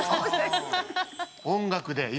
音楽で今。